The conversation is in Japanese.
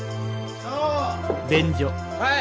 はい。